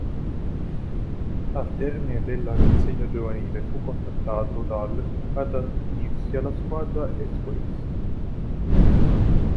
Al termine della rassegna giovanile fu contattato dal ad unirsi alla squadra "Espoirs".